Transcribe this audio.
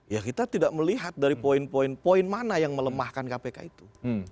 ya kita tidak melihat dari poin poin poin mana yang melemahkan kpk itu